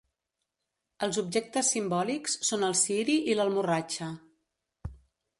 Els objectes simbòlics són el ciri i l'almorratxa.